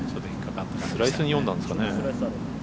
スライスに読んだんですかね。